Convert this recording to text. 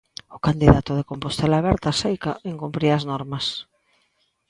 O candidato de Compostela Aberta, seica, incumpría as normas.